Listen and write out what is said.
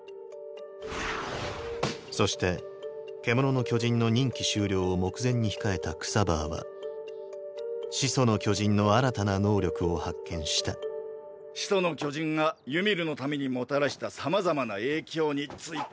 そして「獣の巨人」の任期終了を目前に控えたクサヴァーは「始祖の巨人」の新たな能力を発見した「始祖の巨人」が「ユミルの民」にもたらしたさまざまな影響について。